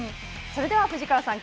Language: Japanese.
それでは藤川さん